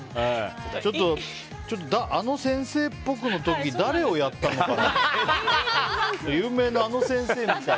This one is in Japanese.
ちょっと、あの先生っぽくの時誰をやったのか。